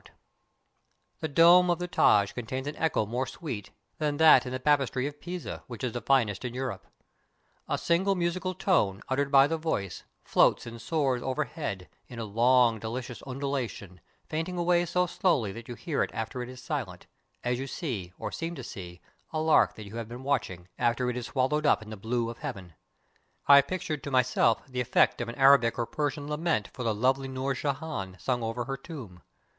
124 THE TAJ MAHAL The dome of the Taj contains an echo more sweet, pure, and prolonged than that in the Baptistry of Pisa, which is the finest in Europe, A single musical tone, uttered by the voice, floats and soars overhead, in a long, delicious undulation, fainting away so slowly that you hear it after it is silent, as you see, or seem to see, a lark you have been watching, after it is swallowed up in the blue of heaven. I pictured to myself the effect of an Arabic or Persian lament for the lovely Noor Jehan, sung over her tomb.